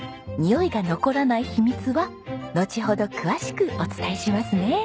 においが残らない秘密はのちほど詳しくお伝えしますね。